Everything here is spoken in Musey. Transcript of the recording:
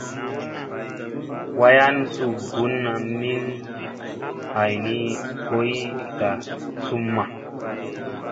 Wayan suu bunna min hayni boy tla zumma.